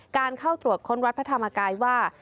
การเข้าตรวจคนรัฐพระธรรมกายว่า